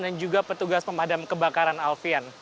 dan juga petugas pemadam kebakaran alfian